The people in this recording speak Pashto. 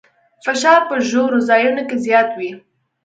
فشار په ژورو ځایونو کې زیات وي.